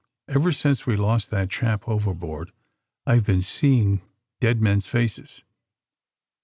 *' Ever since we lost that chap overboard I've been seeing dead men's faces!"